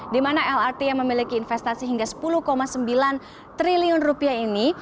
di mana lrt yang memiliki investasi hingga sepuluh sembilan triliun rupiah ini